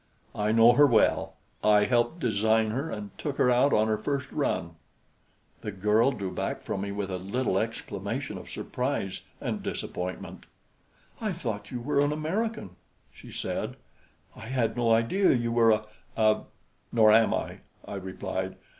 "I know her well. I helped design her and took her out on her first run." The girl drew back from me with a little exclamation of surprise and disappointment. "I thought you were an American," she said. "I had no idea you were a a " "Nor am I," I replied.